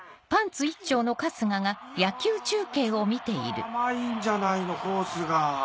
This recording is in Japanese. ちょっと甘いんじゃないの？コースが。